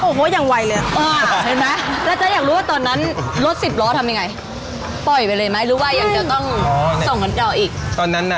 โอ้โหยังไหวเลยอ่ะ